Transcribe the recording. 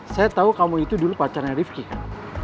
saya tau kamu itu dulu pacarnya rifqi kan